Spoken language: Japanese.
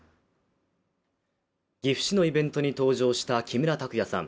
岐阜市のイベントに登場した木村拓哉さん。